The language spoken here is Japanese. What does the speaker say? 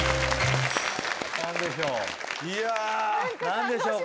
何でしょう？